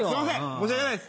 申し訳ないです！